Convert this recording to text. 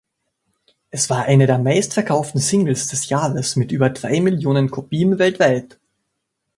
Es war eine der meistverkauften Singles des Jahres mit über drei Millionen Kopien weltweit.